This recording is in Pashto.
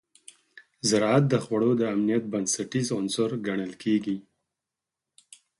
زراعت د خوړو امنیت بنسټیز عنصر ګڼل کېږي.